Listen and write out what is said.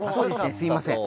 すいません。